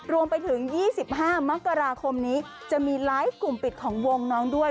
รวมไปถึง๒๕มกราคมนี้จะมีไลฟ์กลุ่มปิดของวงน้องด้วย